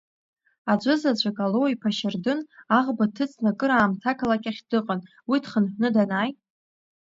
Аӡәызаҵәык Алоу-иԥа Шьардын, аӷба дҭыҵны акыраамҭа ақалақь ахь дыҟан, уи дхынҭәны данааи…